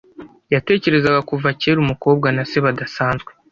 Yatekerezaga kuva kera umukobwa na se badasanzwe.